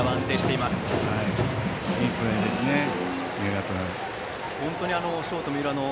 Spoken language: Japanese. いいプレーですね、三浦君。